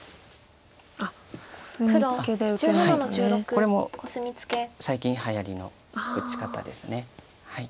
これも最近はやりの打ち方です。